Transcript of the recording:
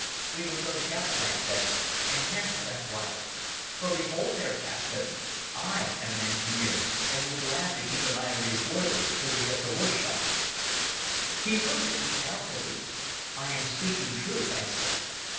"We will go together," I said, "and cancel that wire. For behold, Herr Captain, I am an engineer, and will gladly keep an eye on your boilers till we get to Rustchuk." He looked at me doubtfully. "I am speaking truth," I said.